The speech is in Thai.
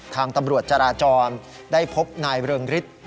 ทางตำรวจจราจรได้พบนายเริงฤทธิ์